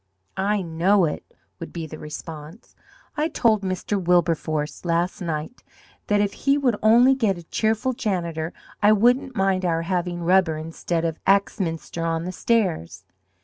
"I know it," would be the response. "I told Mr. Wilberforce last night that if he would only get a cheerful janitor I wouldn't mind our having rubber instead of Axminster on the stairs."